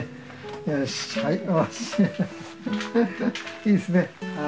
いいですねはい。